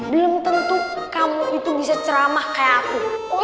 belum tentu kamu itu bisa ceramah kayak aku